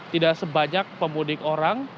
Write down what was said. tidak sebanyak pemudik orang